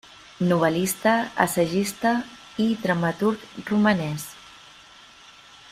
Novel·lista, assagista i dramaturg romanès.